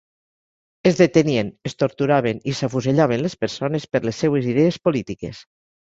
Es detenien, es torturaven i s’afusellaven les persones per les seues idees polítiques.